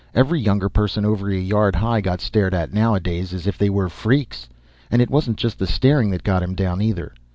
Every younger person over a yard high got stared at nowadays, as if they were freaks. And it wasn't just the staring that got him down, either.